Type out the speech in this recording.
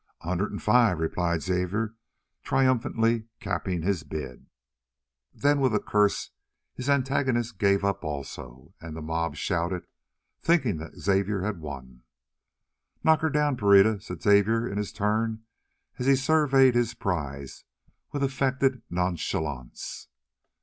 "A hundred and five," replied Xavier, triumphantly capping his bid. Then with a curse his antagonist gave up also, and the mob shouted, thinking that Xavier had won. "Knock her down, Pereira," said Xavier in his turn, as he surveyed his prize with affected nonchalance.